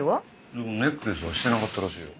でもネックレスはしてなかったらしいよ。